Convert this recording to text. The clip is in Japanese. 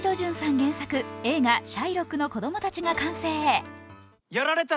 原作、映画「シャイロックの子供たち」が完成。